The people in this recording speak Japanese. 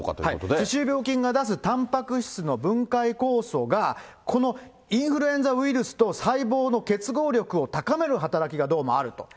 歯周病菌が出すたんぱく質の分解酵素が、このインフルエンザウイルスと細胞の結合力を高める働きがどうもあると。